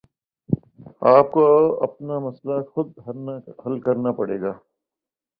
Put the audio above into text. آپ کو اپنا مسئلہ خود حل کرنا پڑے گا